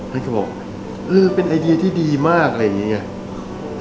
ก็จะบอกเออเป็นไอเดียที่ดีมากอะไรอย่างนี้ไง